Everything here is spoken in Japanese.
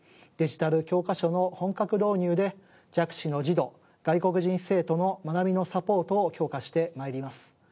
デジタル教科書の本格導入で弱視の児童外国人生徒の学びのサポートを強化してまいります。